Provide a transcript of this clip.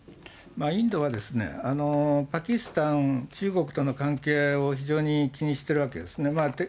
インドはですね、パキスタン、中国との関係を非常に気にしてるわけですね。